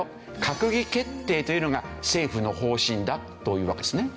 閣議決定というのが政府の方針だというわけですね。